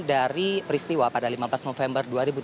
dari peristiwa pada lima belas november